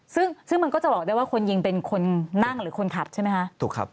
ซึ่งอีกมันก็จะเรียนได้ว่าคนยิงเป็นคนนั่งหรือคนขับใช่ไหมคะ